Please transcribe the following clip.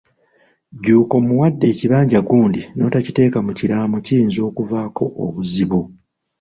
Jjuuko muwadde ekibanja gundi n'otakiteeka mu kiraamo kiyinza okuvaako obuzibu.